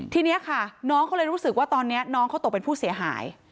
ทีนี้ค่ะน้องเขาเลยรู้สึกว่าตอนนี้น้องเขาตกเป็นผู้เสียหาย